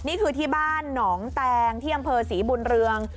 นี่คือที่บ้านหนองแตงที่อำเภอศรีบุญเรือง